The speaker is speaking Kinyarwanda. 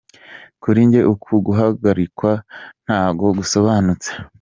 Kuri jye, uku guhagarikwa ntago gusobanutse.